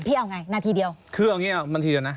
พี่เอาไงนาทีเดียว